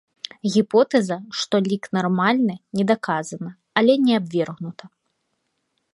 Гіпотэза, што лік нармальны, не даказана, але і не абвергнута.